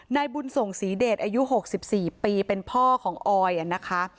นายบุญส่งศรีเดชอายุ๖๔ปีเป็นพ่อของออยนะคะ